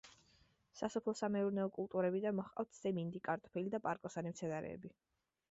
სასოფლო-სამეურნეო კულტურებიდან მოჰყავთ სიმინდი, კარტოფილი და პარკოსანი მცენარეები.